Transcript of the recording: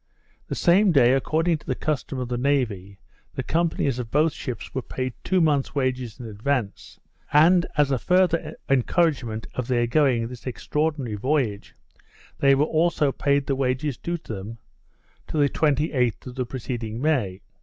The same day, according to the custom of the navy, the companies of both ships were paid two months wages in advance, and, as a further encouragement for their going this extraordinary voyage, they were also paid the wages due to them to the 28th of the preceding May.